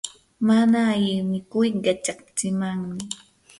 mana alli mikuy qichatsimanmi.